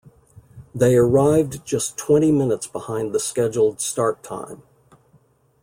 They arrived just twenty minutes behind the scheduled start time.